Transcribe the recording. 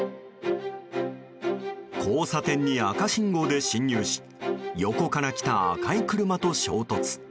交差点に赤信号で進入し横から来た赤い車と衝突。